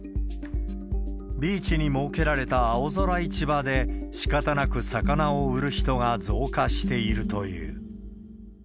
ビーチに設けられた青空市場で、しかたなく魚を売る人が増加しているという。